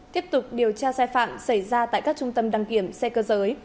tiếp tục điều tra sai phạm xảy ra tại các trung tâm đăng kiểm xe cơ giới